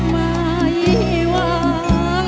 ไม่วางแวน